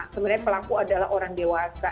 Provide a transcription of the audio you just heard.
sebenarnya pelaku adalah orang dewasa